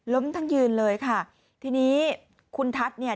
ทั้งยืนเลยค่ะทีนี้คุณทัศน์เนี่ย